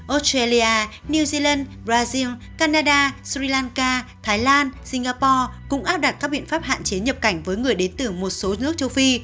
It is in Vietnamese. australia new zealand brazil canada sri lanka thái lan singapore cũng áp đặt các biện pháp hạn chế nhập cảnh với người đến từ một số nước châu phi